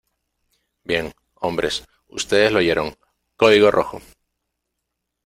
Bien, hombres. Ustedes lo oyeron .¡ código rojo!